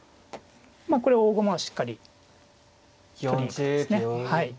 これ大駒はしっかり取りに行く手ですねはい。